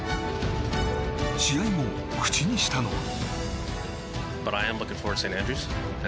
試合後、口にしたのは。